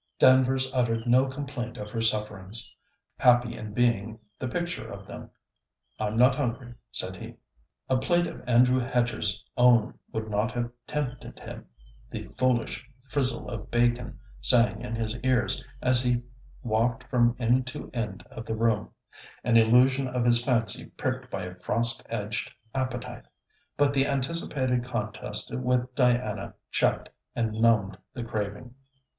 Danvers uttered no complaint of her sufferings; happy in being the picture of them. 'I'm not hungry,' said he. A plate of Andrew Hedger's own would not have tempted him. The foolish frizzle of bacon sang in his ears as he walked from end to end of the room; an illusion of his fancy pricked by a frost edged appetite. But the anticipated contest with Diana checked and numbed the craving.